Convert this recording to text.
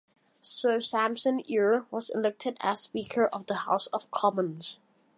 Sir Sampson Eure was elected as Speaker of the House of Commons.